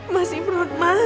mas ibrut mas